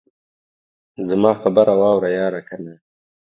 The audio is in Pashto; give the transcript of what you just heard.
زما خبره واوره ياره کنه.